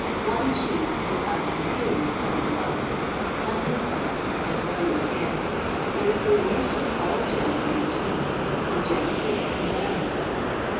One chief is as imperious as the other; and be sides, I tell you again, there is the worst of all jealousy between them, the jealousy of the learned."